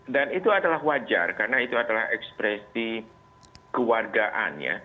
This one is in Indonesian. dan itu adalah wajar karena itu adalah ekspresi kewargaan ya